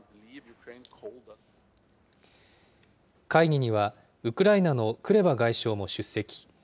会議には、ウクライナのクレバ外相も出席。